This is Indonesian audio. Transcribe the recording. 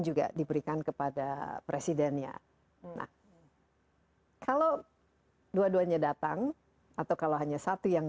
juga diberikan kepada presidennya nah kalau dua duanya datang atau kalau hanya satu yang